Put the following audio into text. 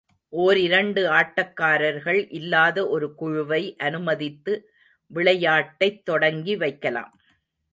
ஓரிரண்டு ஆட்டக்காரர்கள் இல்லாத ஒரு குழுவை அனுமதித்து, விளையாட்டைத் தொடங்கி வைக்கலாம்.